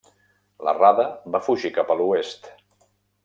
La Rada va fugir cap a l'oest.